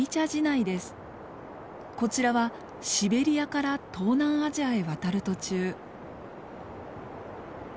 こちらはシベリアから東南アジアへ渡る途中。